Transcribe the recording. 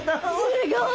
すごい。